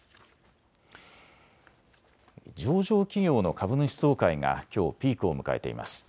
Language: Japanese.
上場企業の株主総会がきょうピークを迎えています。